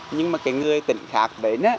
nhưng mà cái người tỉnh khác đến á